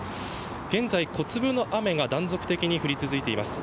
現在、小粒の雨が断続的に降り続いています。